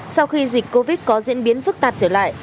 sau khi dịch covid có diễn biến phức tạp trở lại